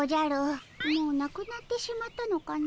もうなくなってしまったのかの。